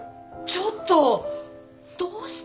ちょっとどうして？